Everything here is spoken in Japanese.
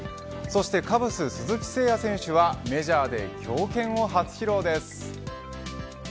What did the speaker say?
そして、カブス鈴木誠也選手はメジャーで強肩を初披露です。